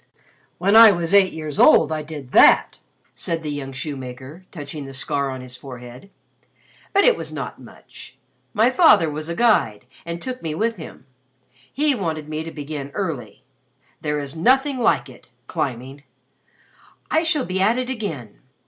"When I was eight years old I did that," said the young shoemaker, touching the scar on his forehead. "But it was not much. My father was a guide and took me with him. He wanted me to begin early. There is nothing like it climbing. I shall be at it again.